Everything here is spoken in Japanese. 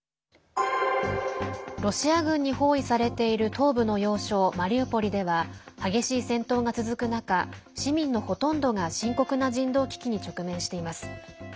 ロシア軍に包囲されている東部の要衝マリウポリでは激しい戦闘が続く中市民のほとんどが深刻な人道危機に直面しています。